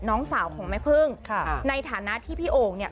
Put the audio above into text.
น้องสาวของแม่พึ่งค่ะในฐานะที่พี่โอ่งเนี่ย